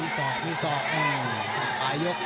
มีสอบมีสอบอ่ายก